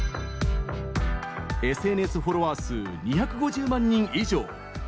ＳＮＳフォロワー数２５０万人以上！